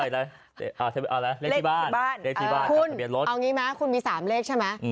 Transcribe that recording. เลขที่บ้านทะเบียนรถเอาอย่างนี้มาคุณมี๓เลขใช่ไหม